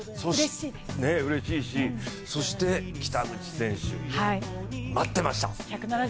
うれしいし、北口選手、待ってました！